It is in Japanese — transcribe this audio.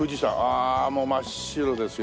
あもう真っ白ですよ。